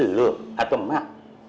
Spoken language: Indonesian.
lu atau emak